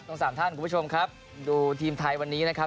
สามท่านคุณผู้ชมครับดูทีมไทยวันนี้นะครับ